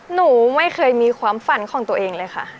หนูไม่เคยมีความฝันของตัวเองเลยค่ะ